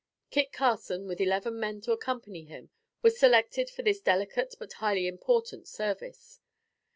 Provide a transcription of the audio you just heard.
Kit Carson with eleven men to accompany him was selected for this delicate but highly important service.